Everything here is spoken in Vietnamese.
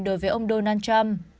đối với ông donald trump